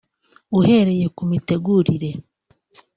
uhereye ku mitegurire